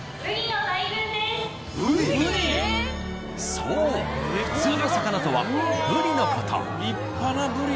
そう普通の魚とはブリの事。